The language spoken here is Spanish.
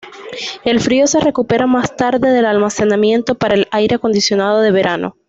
El frío se recupera más tarde del almacenamiento para el aire acondicionado de verano.